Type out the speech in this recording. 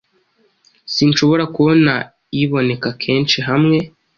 sinshobora kubona iboneka kenshi hamwe